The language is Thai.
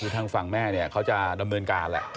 ทางฝ่างแม่นี่เขาจะดำเนินการ